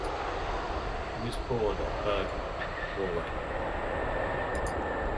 He was born at Bergen, Norway.